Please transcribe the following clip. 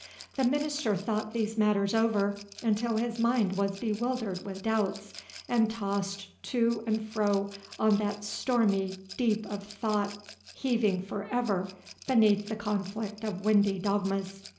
The minister thought these matters over until his mind was bewildered with doubts and tossed to and fro on that stormy deep of thought heaving forever beneath the conflict of windy dogmas.